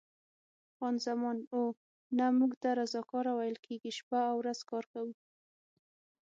خان زمان: اوه، نه، موږ ته رضاکاره ویل کېږي، شپه او ورځ کار کوو.